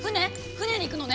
船に行くのね？